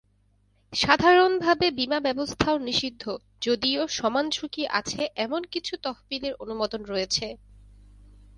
সাধারণভাবে বীমা ব্যবস্থাও নিষিদ্ধ যদিও সমান ঝুঁকি আছে এমন কিছু তহবিলের অনুমোদন রয়েছে।